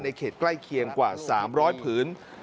เขตใกล้เคียงกว่า๓๐๐ผืน